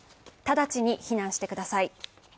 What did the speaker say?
直ちに避難してください。